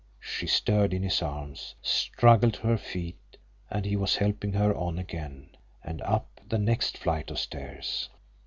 She stirred in his arms, struggled to her feet and he was helping her on again, and up the next flight of stairs.